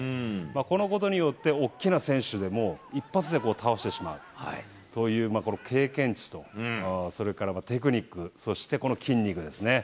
このことによって、おっきな選手でも一発で倒してしまうという経験値とテクニック、そして、この筋肉ですね。